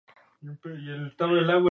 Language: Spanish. El papel utilizado es muy delgado y blanco.